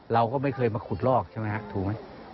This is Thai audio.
เราก็ไม่เคยมาขุดลอกใช่ไหมฮะถูกไหม